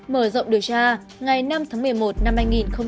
mở rộng điều tra ngày năm tháng một mươi một năm hai nghìn một mươi chín